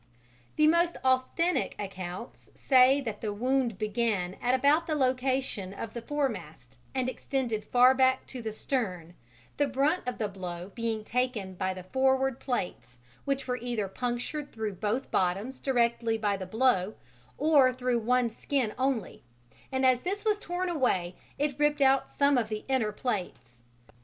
] The most authentic accounts say that the wound began at about the location of the foremast and extended far back to the stern, the brunt of the blow being taken by the forward plates, which were either punctured through both bottoms directly by the blow, or through one skin only, and as this was torn away it ripped out some of the inner plates.